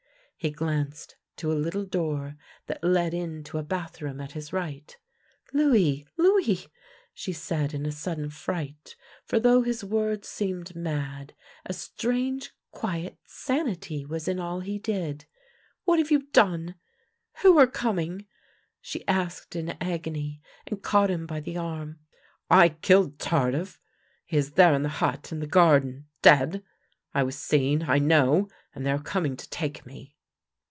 He glanced to a little door that led into a bathroom at his right. "Louis! Louis!" she said, in a sudden fright, for, though his words seemed mad, a strange, quiet sanity was in all he did. " What have you done? Who are coming? " she asked in agony, and caught him by the arm. " I killed Tardif. He is there in the hut in the gar den — dead! I was seen, I know, and they are coming to take me."